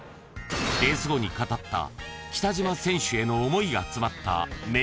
［レース後に語った北島選手への思いが詰まった名言とは？］